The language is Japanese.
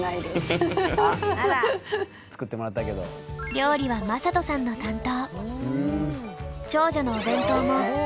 料理は昌人さんの担当。